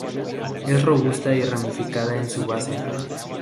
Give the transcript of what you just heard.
Es robusta y ramificada en su base.